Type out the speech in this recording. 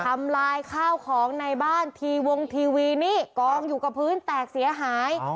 ทำลายข้าวของในบ้านทีวงทีวีนี่กองอยู่กับพื้นแตกเสียหาย